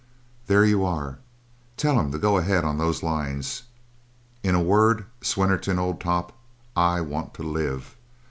There you are. Tell him to go ahead on those lines. "In a word, Swinnerton, old top, I want to live.